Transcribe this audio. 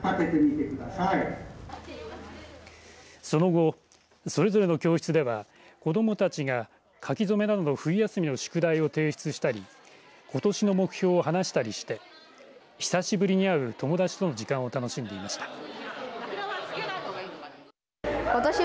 その後それぞれの教室では子どもたちが書き初めなどの冬休みの宿題を提出したりことしの目標を話したりして久しぶりに会う友達との時間を楽しんでいました。